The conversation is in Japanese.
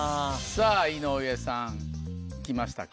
さぁ井上さん。来ましたか？